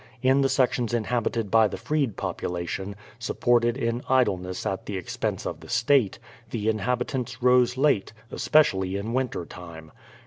In the sections inhabited by the freed population, supported in idleness at the expense of the state, the inhabitants rose late, especially in winter time.